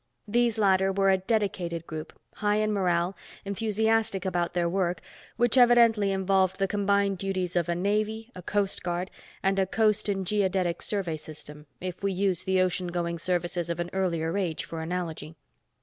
These latter were a dedicated group, high in morale, enthusiastic about their work which evidently involved the combined duties of a Navy, a Coast Guard, and a Coast and Geodetic Survey system, if we use the ocean going services of an earlier age for analogy.